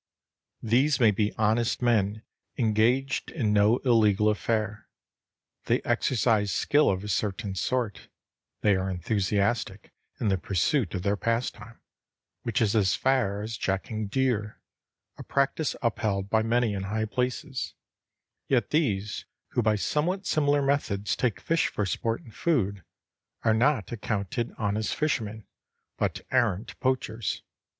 These may be honest men engaged in no illegal affair; they exercise skill of a certain sort; they are enthusiastic in the pursuit of their pastime, which is as fair as jacking deer, a practice upheld by many in high places; yet these who by somewhat similar methods take fish for sport and food are not accounted honest fishermen, but arrant poachers.